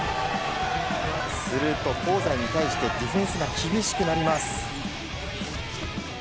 すると香西に対してディフェンスが厳しくなります。